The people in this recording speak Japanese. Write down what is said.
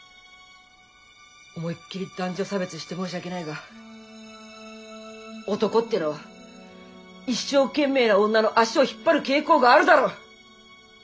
思いっきり男女差別して申し訳ないが男ってのは一生懸命な女の足を引っ張る傾向があるだろ。